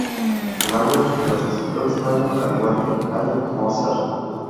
Mahler le resultó extraño, al igual que Haydn y Mozart.